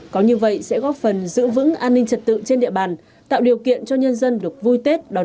có như vậy sẽ góp phần giữ vững an ninh trật tự trên địa bàn tạo điều kiện cho nhân dân được vui tết đón xuân an toàn